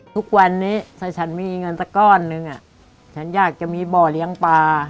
ทุกวันนี้ถ้าฉันมีเงินสักก้อนนึงฉันอยากจะมีบ่อเลี้ยงปลา